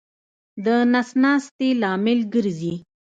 د نس ناستې لامل ګرځي.